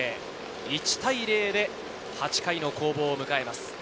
１対０で８回の攻防を迎えます。